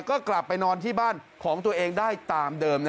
ก็กลับไปนอนที่บ้านของตัวเองได้ตามเดิม